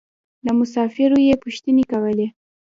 له مسافرو يې پوښتنې کولې.